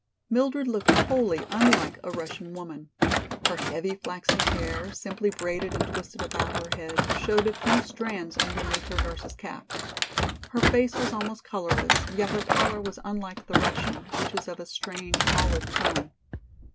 Mildred looked wholly unlike a Russian woman. Her heavy flaxen hair, simply braided and twisted about her head, showed a few strands underneath her nurse's cap. Her face was almost colorless, yet her pallor was unlike the Russian, which is of a strange olive tone.